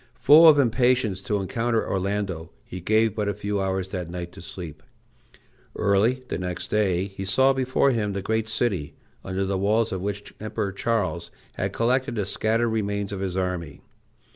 Full of impatience to encounter Orlando, he gave but a few hours that night to sleep. Early the next day he saw before him the great city, under the walls of which the Emperor Charles had collected the scattered remains of his army.